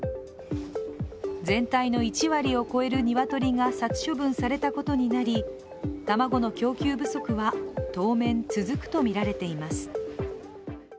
全体の１割を超える鶏が殺処分されたことになり卵の供給不足は当面続くとみられています。